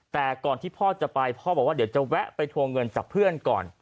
แต่ก่อนที่พ่อจะไปพ่อบอกว่าเดี๋ยวจะแวะไปทวงเงินจากเพื่อนก่อน